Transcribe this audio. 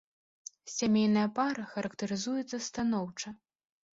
Сямейная пара характарызуецца станоўча.